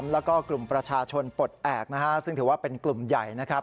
แล้วก็กลุ่มประชาชนปลดแอบนะฮะซึ่งถือว่าเป็นกลุ่มใหญ่นะครับ